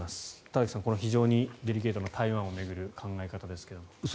田崎さん、非常にデリケートな台湾を巡る考え方ですけれど。